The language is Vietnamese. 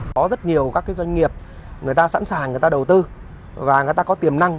có rất nhiều các doanh nghiệp sẵn sàng đầu tư và có tiềm năng